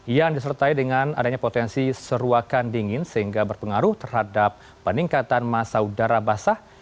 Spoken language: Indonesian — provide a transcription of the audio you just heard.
yang disertai dengan adanya potensi seruakan dingin sehingga berpengaruh terhadap peningkatan masa udara basah